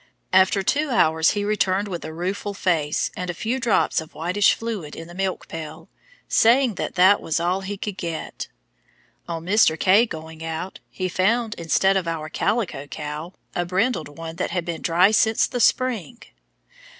After two hours he returned with a rueful face and a few drops of whitish fluid in the milk pail, saying that that was all he could get. On Mr. K. going out, he found, instead of our "calico" cow, a brindled one that had been dry since the spring!